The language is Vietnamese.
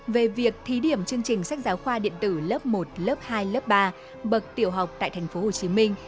về việc thí điểm chương trình sách giáo khoa điện tử lớp một lớp hai lớp ba bậc tiểu học tại tp hcm